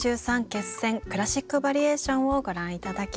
決選クラシック・バリエーションをご覧頂きました。